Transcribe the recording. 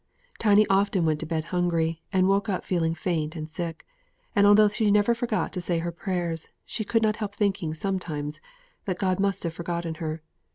Tiny often went to bed hungry, and woke up feeling faint and sick; and although she never forgot to say her prayers, she could not help thinking sometimes that God must have forgotten her.